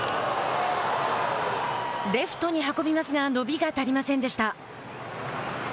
レフトに運びますが伸びが足りませんでした。